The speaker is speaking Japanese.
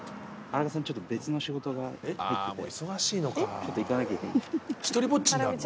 ちょっと行かなきゃいけない。